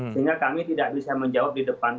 sehingga kami tidak bisa menjawab di depan